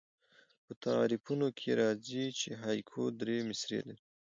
په تعریفونو کښي راځي، چي هایکو درې مصرۍ لري.